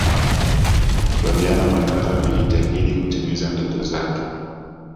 flaviana matata alijitahidi kutimiza ndoto zake